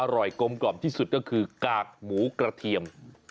กลมกล่อมที่สุดก็คือกากหมูกระเทียม